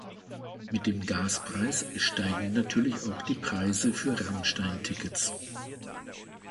Mit dem Gaspreis steigen natürlich auch die Preise für Rammstein-Tickets.